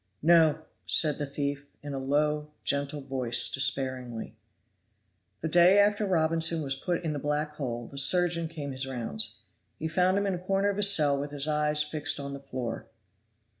"No," said the thief, in a low, gentle voice, despairingly. The day after Robinson was put in the black hole the surgeon came his rounds. He found him in a corner of his cell with his eyes fixed on the floor.